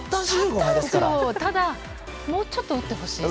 ただもうちょっと打ってほしい。